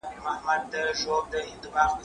دا شګه له هغه پاکه ده؟!